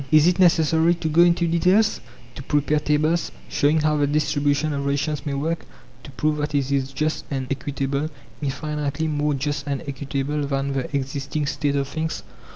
Is it necessary to go into details, to prepare tables, showing how the distribution of rations may work, to prove that it is just and equitable, infinitely more just and equitable than the existing state of things?